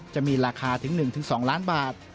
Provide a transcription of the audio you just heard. จะมีราคาถึง๑๒ล้านบาท